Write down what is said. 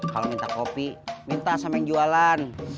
kalau minta kopi minta sama yang jualan